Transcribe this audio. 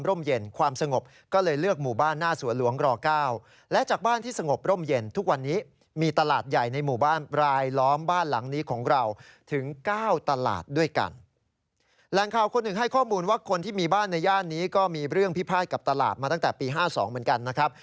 ข่าวคนหนึ่งให้ข้อมูลว่าคนที่มีบ้านในย่านนี้ก็มีเรื่องพิพาทกับตลาดมาตั้งแต่ปี๕๒เหมือนกันนะครับ